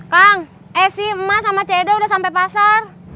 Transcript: kang eh sih emak sama cedo udah sampai pasar